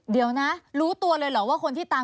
เดี๋ยวนะรู้ตัวเลยเหรอว่าคนที่ตาม